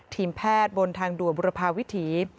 ทีมแพทย์บนทางด่วนบุรพาวิถี